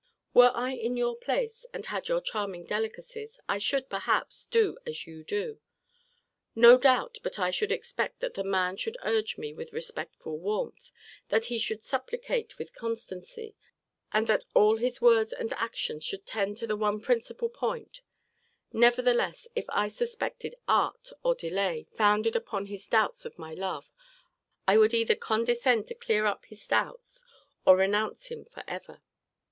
Were I in your place, and had your charming delicacies, I should, perhaps, do as you do. No doubt but I should expect that the man should urge me with respectful warmth; that he should supplicate with constancy, and that all his words and actions should tend to the one principal point; nevertheless, if I suspected art or delay, founded upon his doubts of my love, I would either condescend to clear up is doubts or renounce him for ever.